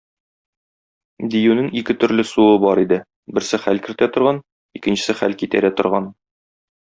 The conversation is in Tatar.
Диюнең ике төрле суы бар иде - берсе хәл кертә торган, икенчесе хәл китәрә торган.